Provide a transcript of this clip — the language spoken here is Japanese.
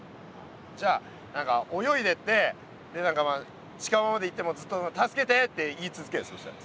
じゃあ何か泳いでってで何かまあ近場まで行ってもうずっと「助けて」って言い続けるそしたら。